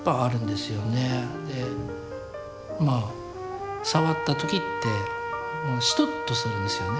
でまあ触った時ってシトッとするんですよね